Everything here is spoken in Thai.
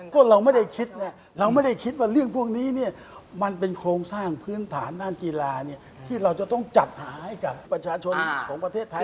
ก็เราไม่ได้คิดเราไม่ได้คิดว่าเรื่องพวกนี้เนี่ยมันเป็นโครงสร้างพื้นฐานด้านกีฬาที่เราจะต้องจัดหาให้กับประชาชนของประเทศไทย